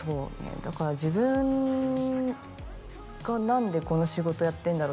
だから自分が何でこの仕事やってんだろう？